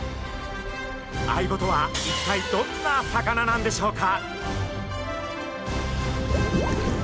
アイゴとは一体どんな魚なんでしょうか？